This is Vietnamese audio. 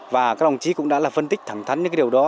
và các đồng chí cũng đã phân tích thẳng thắn những điều đó